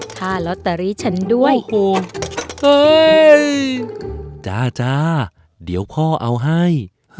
ค่าลอตเตอรี่ฉันด้วยโอ้โหเฮ้ยจ้าจ้าเดี๋ยวพ่อเอาให้